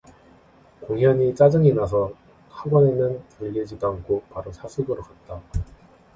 공연히 짜증이 나서 학원에는 들르지도 않고 바로 사숙으로 갔다.